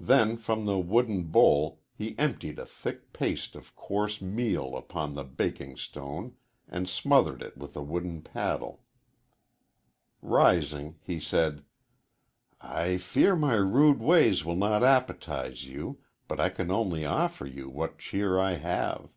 Then from the wooden bowl he emptied a thick paste of coarse meal upon the baking stone, and smoothed it with a wooden paddle. Rising he said: "I fear my rude ways will not appetize you, but I can only offer you what cheer I have."